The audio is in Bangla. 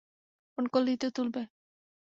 ফোন করলেই তো তুলবে।